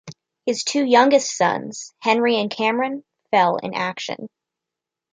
His two youngest sons-Henry and Cameron-fell in action.